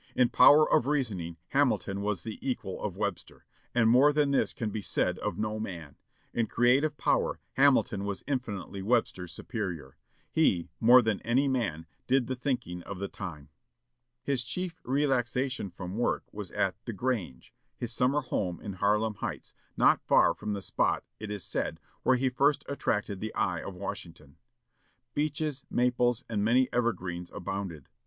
In power of reasoning Hamilton was the equal of Webster; and more than this can be said of no man. In creative power Hamilton was infinitely Webster's superior.... He, more than any man, did the thinking of the time." His chief relaxation from work was at "The Grange," his summer home at Harlem Heights, not far from the spot, it is said, where he first attracted the eye of Washington. Beeches, maples, and many evergreens abounded.